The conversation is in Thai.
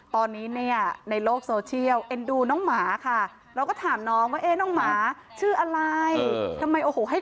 ตอนนี้เนี่ยในโลกโซเชียลเอ็นดูน้องหมาค่ะเราก็ถามน้องว่าเอ๊ะน้องหมาชื่ออะไรทำไมโอ้โหให้